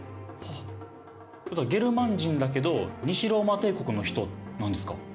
ゲルマン人だけど西ローマ帝国の人なんですか？